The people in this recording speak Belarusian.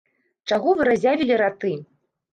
Чаго вы разявілі раты?